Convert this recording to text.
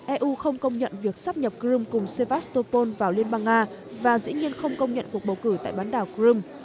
eu không công nhận việc sắp nhập krum cùng sevastopol vào liên bang nga và dĩ nhiên không công nhận cuộc bầu cử tại bán đảo krum